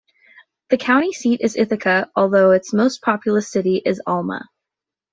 The county seat is Ithaca, although its most populous city is Alma.